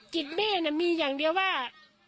จิตแม่น่ะมีอย่างเดียวว่า